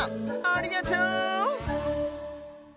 ありがとう！